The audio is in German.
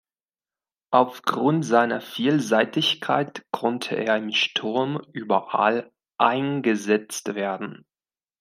Aufgrund seiner Vielseitigkeit konnte er im Sturm überall eingesetzt werden.